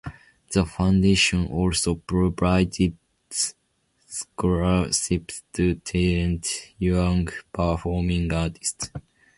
The foundation also provides scholarships to talented young performing artists.